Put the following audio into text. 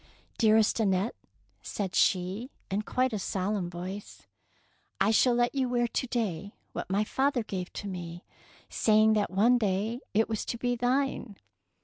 Dearest Annette,'' said she, in quite a solemn voice, " I shall let you wear to day what my father gave to me, say ing that one day it was to be thine.